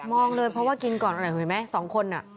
มองเลยเพราะว่ากินก่อนเห็นไหมสองคน